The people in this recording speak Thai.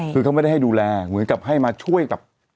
คือเขาไม่ได้ให้ดูแลเหมือนกับให้มาช่วยกับ